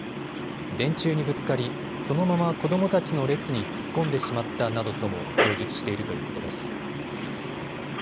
電柱にぶつかり、そのまま子どもたちの列に突っ込んでしまったなどとも供述しているということです。